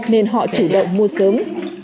nên họ chủ động mua sớm